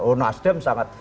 oh nasdem sangat